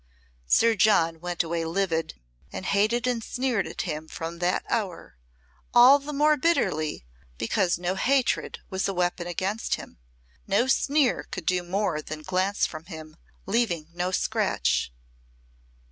Sir John went away livid, and hated and sneered at him from that hour, all the more bitterly, because no hatred was a weapon against him, no sneer could do more than glance from him, leaving no scratch.